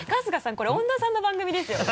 これ恩田さんの番組ですよ。